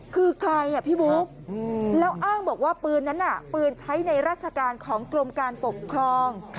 คือใครอ่ะพี่บุ๊คแล้วอ้างบอกว่าปืนนั้นน่ะปืนใช้ในราชการของกรมการปกครอง